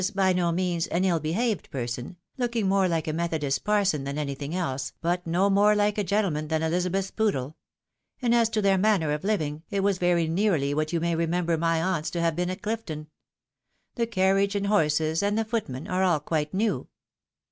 by no means an Ul behaved person, looking more like a methodist parson than anything else, but no more hke a gentle man than Ehzabeth's poodle ; and as to their manner of living, it was very nearly what you may remember my aunt's to have been at Clifton. The carriage and horses, and the footmen, are all quite new."